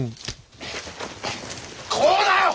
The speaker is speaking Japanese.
こうだよ！